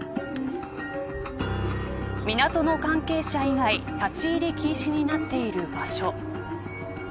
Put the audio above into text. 港の関係者以外立ち入り禁止になっている場所。